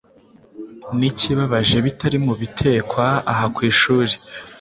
n’ikibabaje bitari mu bitekwa aha ku ishuri.